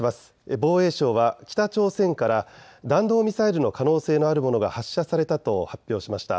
防衛省は北朝鮮から弾道ミサイルの可能性のあるものが発射されたと発表しました。